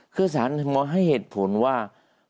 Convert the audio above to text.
คือสารหมอให้เหตุผลว่า